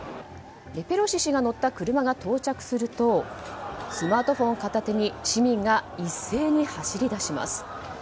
ペロシ氏が乗った車が到着するとスマートフォン片手に市民が一斉に走り出します。